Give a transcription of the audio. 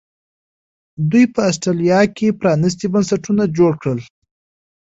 دوی په اسټرالیا کې پرانیستي بنسټونه جوړ کړل.